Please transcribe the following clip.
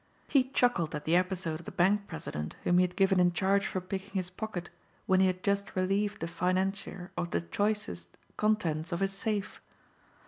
He chuckled at the episode of the bank president whom he had given in charge for picking his pocket when he had just relieved the financier of the choicest contents of his safe.